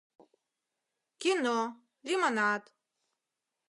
Кино, лимонад...